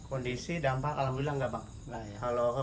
kondisi dampak alhamdulillah enggak pak